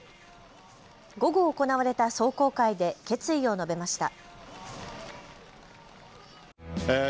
午後、行われた壮行会で決意を述べました。